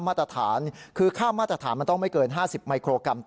มาตรฐานคือค่ามาตรฐานมันต้องไม่เกินฝาก๕๐